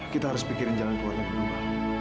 kita harus pikirin jalan keluarga berdua